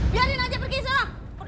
biarin aja pergi sana